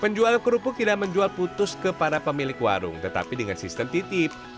penjual kerupuk tidak menjual putus ke para pemilik warung tetapi dengan sistem titip